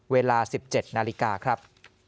เวลา๑๗นาฬิกาครับ